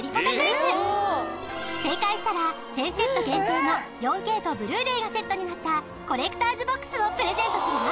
正解したら１０００セット限定の４ＫとブルーレイがセットになったコレクターズＢＯＸをプレゼントするわ。